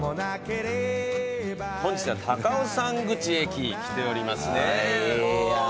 本日は高尾山口駅来ておりますね。